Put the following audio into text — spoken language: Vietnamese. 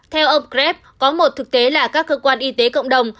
theo ông grab có một thực tế là các cơ quan y tế cộng đồng